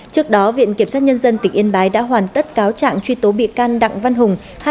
trước đó viện kiểm sát nhân dân tỉnh yên bái đã hoàn tất cáo trạng truy tố bị can đặng văn hùng